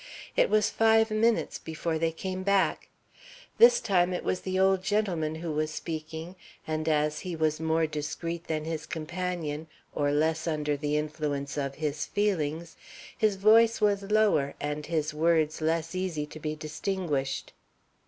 It was five minutes before they came back. This time it was the old gentleman who was speaking, and as he was more discreet than his companion or less under the influence of his feelings, his voice was lower and his words less easy to be distinguished.